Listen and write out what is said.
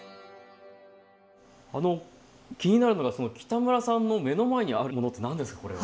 気になるのがその北村さんの目の前にあるものって何ですかこれは。